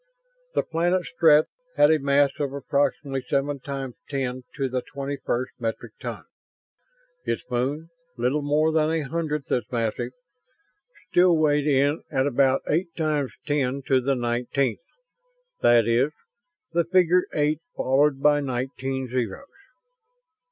The planet Strett had a mass of approximately seven times ten to the twenty first metric tons. Its moon, little more than a hundredth as massive, still weighed in at about eight times ten to the nineteenth that is, the figure eight followed by nineteen zeroes.